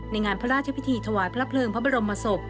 ในงานพระราชพิธีถวายพระเพลิงพระบรมศพ